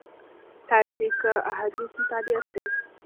تاسي که احاديث مطالعه کړئ